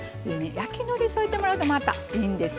焼きのり添えてもらうとまたいいんですよね。